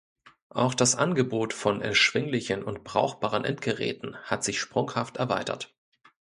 Auch das Angebot von erschwinglichen und brauchbaren Endgeräten hat sich sprunghaft erweitert.